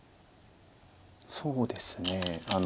そうですね。